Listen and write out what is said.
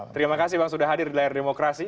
terima kasih bang sudah hadir di layar demokrasi